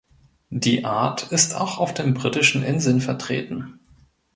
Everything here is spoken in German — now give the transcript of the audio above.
Die Art ist auch auf den Britischen Inseln vertreten.